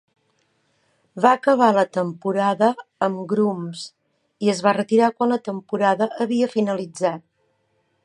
Va acabar la temporada amb Grooms i es va retirar quan la temporada havia finalitzat.